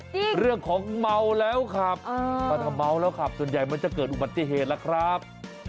จริงเรื่องของเมาแล้วครับพอเธอเมาแล้วครับส่วนใหญ่มันจะเกิดอุบัติเหตุแล้วครับ